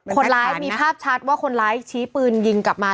คนร้ายมีภาพชัดว่าคนร้ายชี้ปืนยิงกลับมา